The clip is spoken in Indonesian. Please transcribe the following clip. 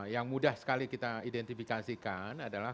yang mudah sekali kita identifikasikan adalah